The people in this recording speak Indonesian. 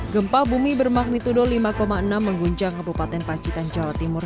gempa bumi bermagnitudo lima enam mengguncang kebupaten pacitan jawa timur